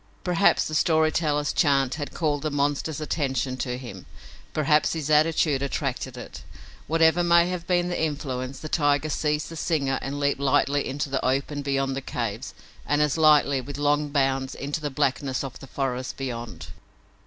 Perhaps the story teller's chant had called the monster's attention to him, perhaps his attitude attracted it; whatever may have been the influence, the tiger seized the singer and leaped lightly into the open beyond the caves and, as lightly, with long bounds, into the blackness of the forest beyond.